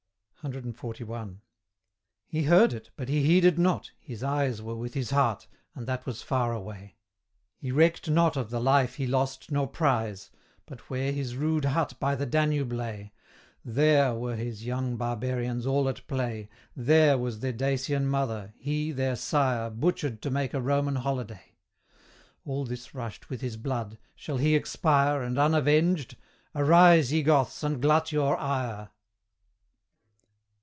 CXLI. He heard it, but he heeded not his eyes Were with his heart, and that was far away; He recked not of the life he lost nor prize, But where his rude hut by the Danube lay, THERE were his young barbarians all at play, THERE was their Dacian mother he, their sire, Butchered to make a Roman holiday All this rushed with his blood Shall he expire, And unavenged? Arise! ye Goths, and glut your ire!